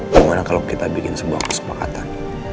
bagaimana kalau kita bikin sebuah kesepakatan